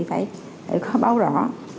phải có báo rõ